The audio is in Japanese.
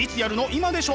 今でしょ！